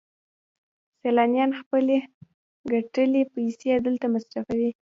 سیلانیان خپلې ګټلې پیسې دلته مصرفوي